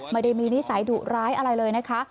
ไม่ได้มีนิสัยดุร้ายอะไรเลยนะคะ